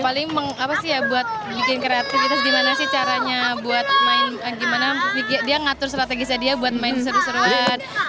paling apa sih ya buat bikin kreativitas gimana sih caranya buat main gimana dia ngatur strategisnya dia buat main seru seruan